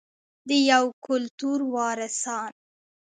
د یو کلتور وارثان.